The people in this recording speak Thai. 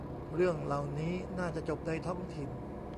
เรื่องเหล่านี้น่าจะจบในท้องถิ่น